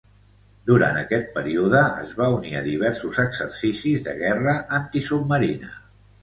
Durant aquest període, es va unir a diversos exercicis de guerra antisubmarina.